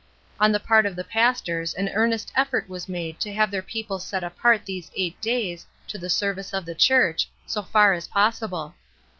On the part of the pastors an earnest effort was made to have their people set apart these eight days to the service of the church, so far as possible.